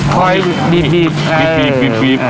คอยดีดดีดดีดดีดดีด